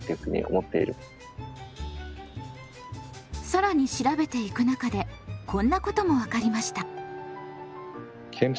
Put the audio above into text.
更に調べていく中でこんなことも分かりました。